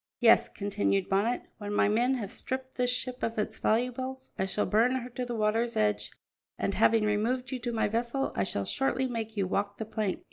"Yes," continued Bonnet, "when my men have stripped this ship of its valuables I shall burn her to the water's edge, and, having removed you to my vessel, I shall shortly make you walk the plank."